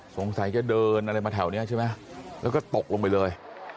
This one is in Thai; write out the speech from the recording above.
สงสัยจะเดินอะไรมาแถวนี้ใช่ไหมแล้วก็ตกลงไปเลย